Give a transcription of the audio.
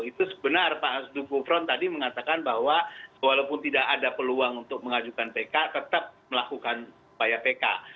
itu benar pak asdu gufron tadi mengatakan bahwa walaupun tidak ada peluang untuk mengajukan pk tetap melakukan upaya pk